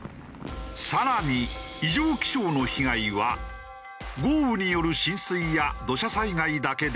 更に異常気象の被害は豪雨による浸水や土砂災害だけではない。